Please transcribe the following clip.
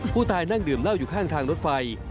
ผู้ตายนั่งดื่มเหล้าอยู่ข้างทางรถไฟ